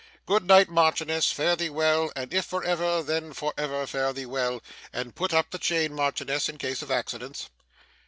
Good night, Marchioness. Fare thee well, and if for ever, then for ever fare thee well and put up the chain, Marchioness, in case of accidents.